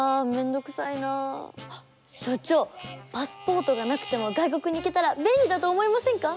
所長パスポートがなくても外国に行けたら便利だと思いませんか？